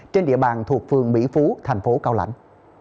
trên địa bàn thuộc phường mỹ phú thành phố cao lãnh